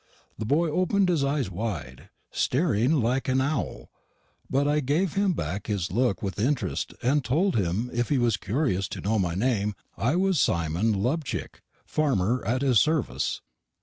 The boy openn'd his eyes wide, stearing like an owle; butt I gaive him bakk his looke with interrest, and tolde him if he was curiouse to know my name, I was Simon Lubchick, farmer, at his servise.